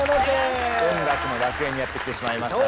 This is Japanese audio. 音楽の楽園にやって来てしまいました。